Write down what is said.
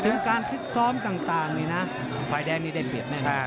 พูดถึงการคิดซ้อมต่างฝ่ายแดงก็ได้เงียบแน่นะฮะ